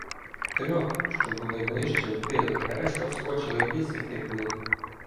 Трьох, що були ближче, вбили, решта вскочили в ліс і втекли.